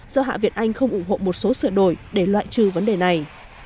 do hạ viện anh không ủng hộ một số sửa đổi để loại trừ vấn đề này